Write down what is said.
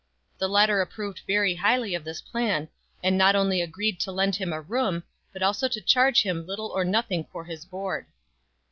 The latter approved very highly of this plan, and not only agreed to lend him a room but also to charge him little or nothing for his board.